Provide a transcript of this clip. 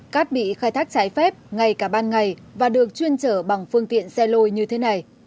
cát bị khai thác trái phép ngay cả ban ngày và được chuyên chở bằng phương tiện xe lôi như thế này